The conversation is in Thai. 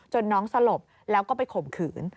น้องสลบแล้วก็ไปข่มขืน